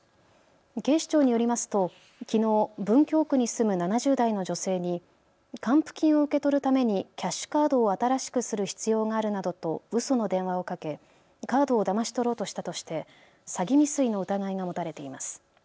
警視庁によりますときのう文京区に住む７０代の女性に還付金を受け取るためにキャッシュカードを新しくする必要があるなどとうその電話をかけ、カードをだまし取ろうとしたとして詐欺未遂の疑いが持たれています。